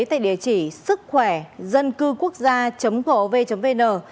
tại địa chỉ sức khỏe dân cư quốc gia gov vn